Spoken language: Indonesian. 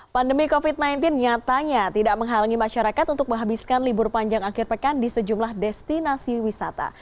pandemi covid sembilan belas nyatanya tidak menghalangi masyarakat untuk menghabiskan libur panjang akhir pekan di sejumlah destinasi wisata